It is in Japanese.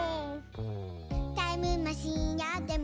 「タイムマシンあっても」